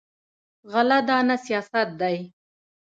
غله دانه سیاست دی.